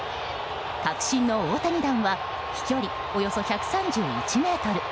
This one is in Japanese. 確信の大谷弾は飛距離およそ１３１ｍ。